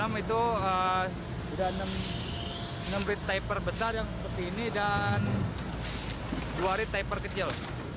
satu ratus enam puluh enam meter kubik itu sudah enam meter kubik besar seperti ini dan dua meter kubik kecil